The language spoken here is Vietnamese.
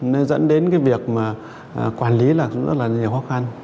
nên dẫn đến cái việc mà quản lý là cũng rất là nhiều khó khăn